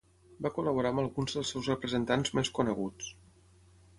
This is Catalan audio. Va col·laborar amb alguns dels seus representants més coneguts.